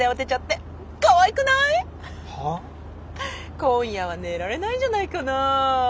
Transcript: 今夜は寝られないんじゃないかな？